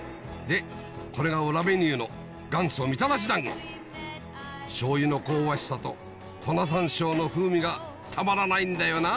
でこれが裏メニューの元祖みたらし団子醤油の香ばしさと粉山椒の風味がたまらないんだよな！